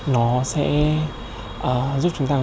nó sẽ giúp chúng ta